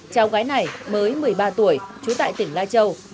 cháu gái này mới một mươi ba tuổi trú tại tỉnh lai châu